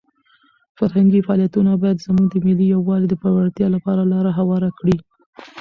فرهنګي فعالیتونه باید زموږ د ملي یووالي د پیاوړتیا لپاره لاره هواره کړي.